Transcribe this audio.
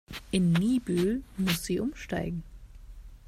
In Niebüll muss sie umsteigen.